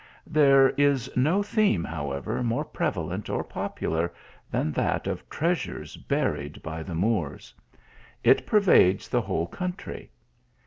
There is no theme, how ever, more prevalent or popular than that of treasures buried by tne Moors. It pervades the whole country.